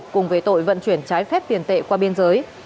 cùng về tội vận chuyển trái phép tiền tệ qua biên giới